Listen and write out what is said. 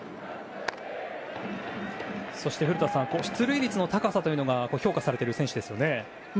そして古田さん、出塁率の高さが評価されている選手ですよね。